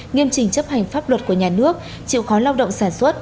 nghiêm trình chấp hành pháp luật của nhà nước chịu khó lao động sản xuất